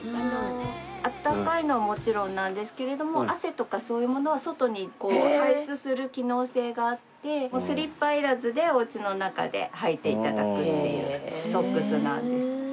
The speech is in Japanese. あったかいのはもちろんなんですけれども汗とかそういうものは外に排出する機能性があってスリッパいらずでお家の中ではいて頂くっていうソックスなんです。